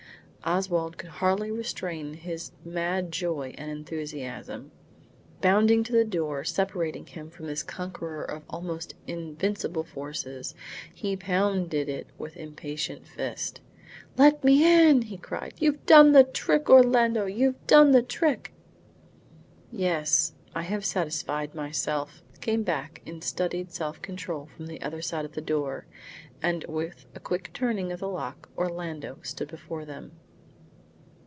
Oswald could hardly restrain his mad joy and enthusiasm. Bounding to the door separating him from this conqueror of almost invincible forces, he pounded it with impatient fist. "Let me in!" he cried. "You've done the trick, Orlando, you've done the trick." "Yes, I have satisfied myself," came back in studied self control from the other side of the door; and with a quick turning of the lock, Orlando stood before them.